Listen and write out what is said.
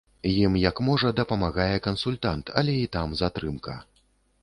Ім як можа дапамагае кансультант, але і там затрымка.